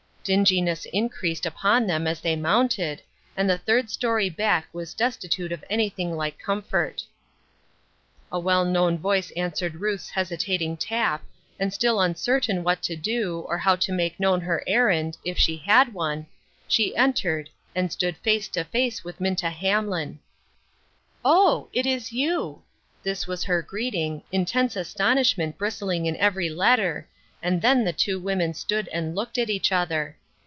Dinginess increased upon them as they mounted, and the third story back was destitute of anything like comfort. A well known voice answered Ruth's hesitating tap, and still uncertain what to do, or how to make known her errand — if she had one — she entered, and stood face to face with Minta Hamlin. " Oh ! it is you." This was her greeting, in tense astonishment bristling in every letter, and then the two women stood and looked at each other.